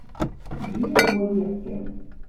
Eǧǧ-iyi ad t-waliɣ kan.